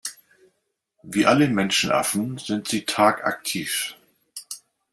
Wie alle Menschenaffen sind sie tagaktiv.